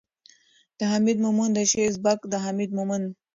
، د حميد مومند د شعر سبک ،د حميد مومند